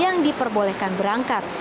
yang diperbolehkan berangkat